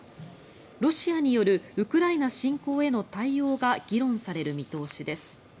ロシアによるウクライナ侵攻への対応が議論される見通しです。